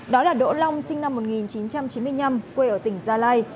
đó là đỗ long sinh năm một nghìn chín trăm chín mươi năm quê ở tỉnh gia lai